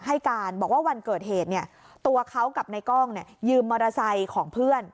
ให้การบอกว่าวันเกิดเหตุเนี่ยตัวเขากับในกล้องยืมมอเตอร์ไซค์ของเพื่อน